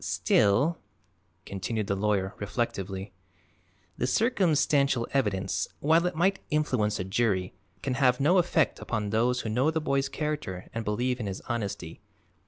"Still," continued the lawyer reflectively, "the circumstantial evidence, while it might influence a jury, can have no effect upon those who know the boy's character and believe in his honesty.